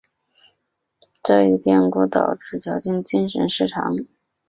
这一变故导致乔清秀精神失常。